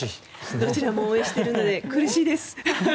どちらも応援しているので苦しいです。